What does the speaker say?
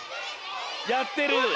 やってる。